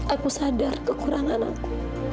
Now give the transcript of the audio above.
aku sadar kekurangan aku